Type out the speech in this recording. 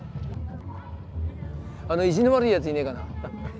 あの意地の悪いやついねぇかな。